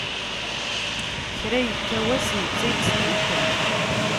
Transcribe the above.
Kra yekka wass netta iteddu kan.